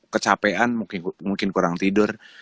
kecapean mungkin kurang tidur